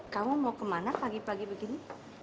kamu mau kemana pagi pagi begini